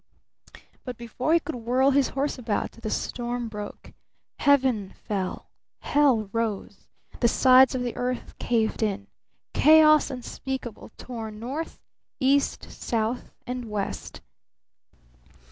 But before he could whirl his horse about, the storm broke! Heaven fell! Hell rose! The sides of the earth caved in! Chaos unspeakable tore north, east, south, west!